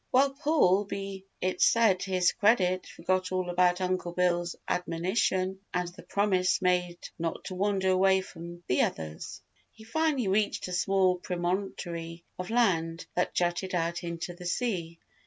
While Paul, be it said to his credit, forgot all about Uncle Bill's admonition and the promise made not to wander away from the others. He finally reached a small promontory of land that jutted out into the sea.